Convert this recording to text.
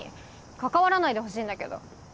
関わらないでほしいんだけど。